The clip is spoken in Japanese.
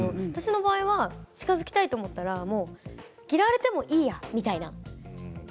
私の場合は近づきたいと思ったら嫌われてもいいやみたいな。